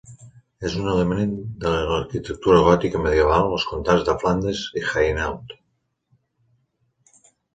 És un element de l'arquitectura gòtica medieval als comtats de Flandes i Hainaut.